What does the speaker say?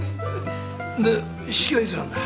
で式はいつなんだ。